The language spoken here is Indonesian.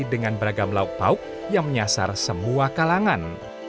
dengan beragam lauk pauk yang menyasar semua kalangan